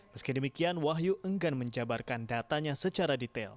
meski demikian wahyu enggan menjabarkan datanya secara detail